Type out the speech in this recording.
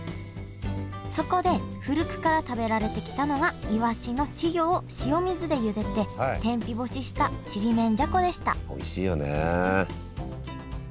そこで古くから食べられてきたのがイワシの稚魚を塩水で茹でて天日干ししたちりめんじゃこでしたおいしいよね。